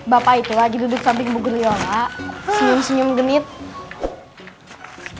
bapak itu lagi duduk samping buguryola